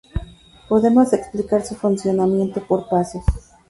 Podemos explicar su funcionamiento por pasos.